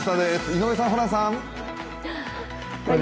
井上さん、ホランさん。